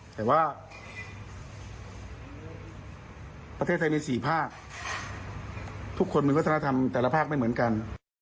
แต่ว่าประเทศไทยใน๔ภาคทุกคนมีวัฒนธรรมแต่ละภาคไม่เหมือนกัน